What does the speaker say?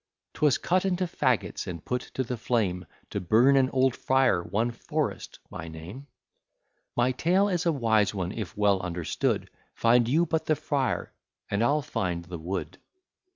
'Twas cut into fagots and put to the flame, To burn an old friar, one Forest by name, My tale is a wise one, if well understood: Find you but the Friar; and I'll find the Wood.